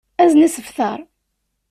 Azen asebtar.